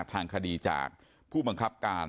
ทางคดีจากผู้บังคับการ